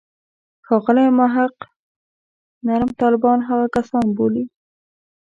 ښاغلی محق نرم طالبان هغه کسان بولي.